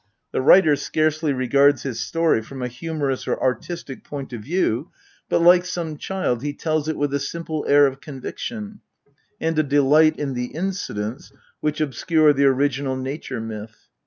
The writer scarcely regards his story from a humorous or artistic point of view, but, like some child, he tells it with a simple air of conviction, and a delight in the incidents which obscure the original nature myth.